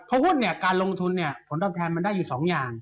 เพราะหุ้นเนี่ยการลงทุนเนี่ยผลตอบแทนมันได้อยู่๒อย่าง